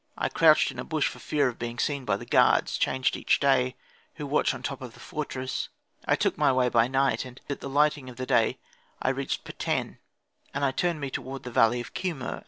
I crouched in a bush for fear of being seen by the guards, changed each day, who watch on the top of the fortress. I took my way by night, and at the lighting or the day I reached Peten, and turned me toward the valley of Kemur.